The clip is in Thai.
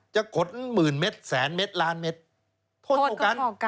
จะขนหมื่นเมตรแสนเมตรล้านเมตร